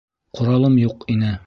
Ҡоралым юҡ ине.